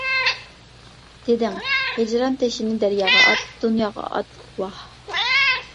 دېدىڭ، ھىجران تېشىنى دەرياغا ئات، دۇنياغا ئات، ۋاھ!